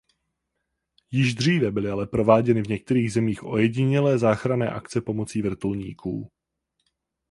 Již dříve byly ale prováděny v některých zemích ojedinělé záchranné akce pomocí vrtulníků.